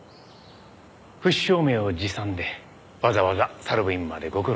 父子証明を持参でわざわざサルウィンまでご苦労さま。